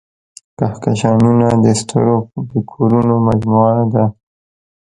کهکشانونه د ستورو د کورونو مجموعه ده.